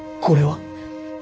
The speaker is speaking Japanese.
「これは？」。